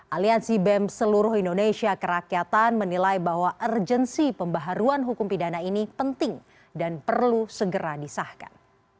aliansi bem seluruh indonesia kerakyatan menilai bahwa urgensi pembaharuan hukum pidana ini penting dan perlu segera disahkan